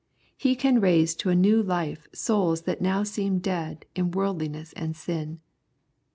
He can raise to a new life souls that now seem dead in worldliness and sin.